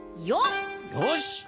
よし！